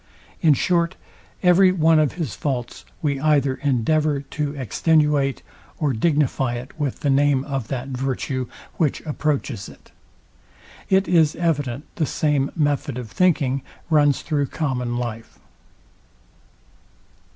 In short, every one of his faults we either endeavour to extenuate, or dignify it with the name of that virtue, which approaches it. It is evident the same method of thinking runs through common life.